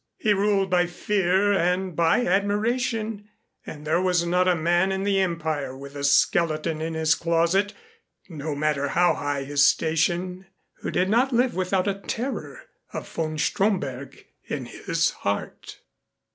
He ruled by fear and by admiration and there was not a man in the Empire with a skeleton in his closet, no matter how high his station, who did not live without a terror of von Stromberg in his heart.